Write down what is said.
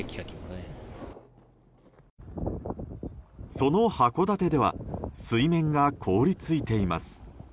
その函館では水面が凍り付いています。